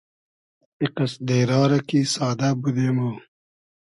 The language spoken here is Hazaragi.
ای قئس دېرا رۂ کی سادۂ بودې مۉ